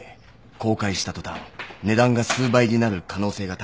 公開したとたん値段が数倍になる可能性が高いです。